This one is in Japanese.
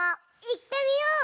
いってみよう！